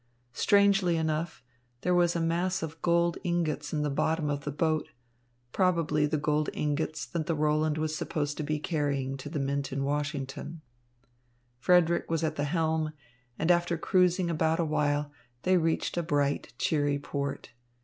Strangely enough, there was a mass of gold ingots in the bottom of the boat, probably the gold ingots that the Roland was supposed to be carrying to the mint in Washington. Frederick was at the helm, and after cruising about a while, they reached a bright, cheery port.